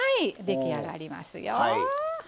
出来上がりますよ。